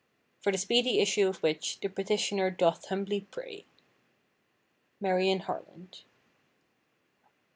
For the speedy issue of which, the petitioner doth humbly pray. MARION HARLAND.